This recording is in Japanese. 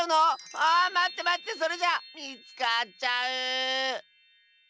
あまってまってそれじゃあみつかっちゃう！